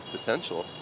cho phát triển